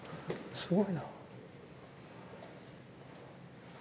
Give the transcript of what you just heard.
すごいな。